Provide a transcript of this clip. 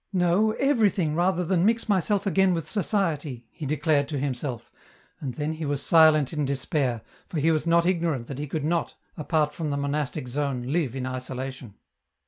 *' No, everything rather than mix myself again with society," he declared to himself, and then he was silent in despair, for he was not ignorant that he could not, apart from the monastic zone, live in isolation.